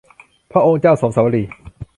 พระองค์เจ้าโสมสวลี